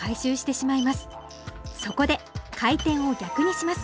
そこで回転を逆にします。